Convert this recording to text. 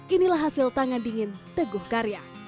inilah hasil tangan dingin teguh karya